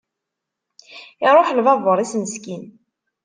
Iruḥ lbabur-is meskin.